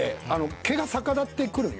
毛が逆立ってくるんよ